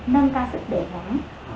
nâng ca sức đề phóng